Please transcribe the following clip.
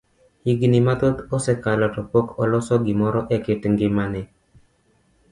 Higni mathoth osekalo to pok oloso gimoro e kit ngimane.